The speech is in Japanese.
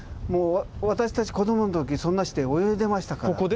もう私たち子どもの時そんなして泳いでましたから。